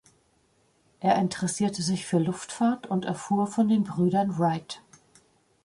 Er interessierte sich für Luftfahrt und erfuhr von den Brüdern Wright.